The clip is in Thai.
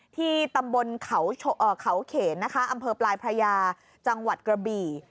ที่ตำบลเขาเขนนะคะอำเภอปลายพระยาจังหวัดกระบี่